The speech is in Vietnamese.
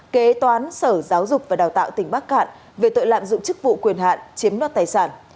kế toán sở giáo dục và đào tạo tỉnh bắc cạn về tội lạm dụng chức vụ quyền hạn chiếm đoạt tài sản